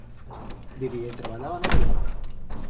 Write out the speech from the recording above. Vivia i treballava a Nova York.